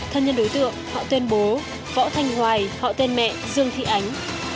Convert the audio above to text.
thân nhân đối tượng họ tuyên bố võ thanh hoài họ tên mẹ dương thị ánh